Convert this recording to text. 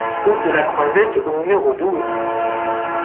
Route de la Croisette au numéro douze